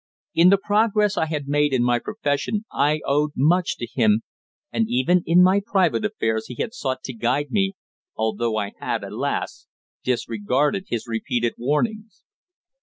In the progress I had made in my profession I owed much to him, and even in my private affairs he had sought to guide me, although I had, alas! disregarded his repeated warnings.